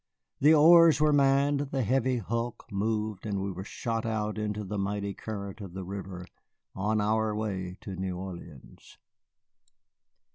The oars were manned, the heavy hulk moved, and we were shot out into the mighty current of the river on our way to New Orleans.